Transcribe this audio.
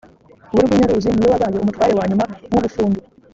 burwi nyaruzi ni we wabaye umutware wa nyuma w’ubufundu